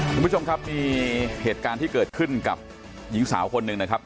คุณผู้ชมครับมีเหตุการณ์ที่เกิดขึ้นกับหญิงสาวคนหนึ่งนะครับ